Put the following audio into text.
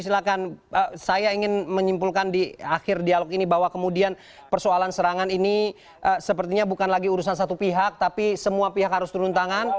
silahkan saya ingin menyimpulkan di akhir dialog ini bahwa kemudian persoalan serangan ini sepertinya bukan lagi urusan satu pihak tapi semua pihak harus turun tangan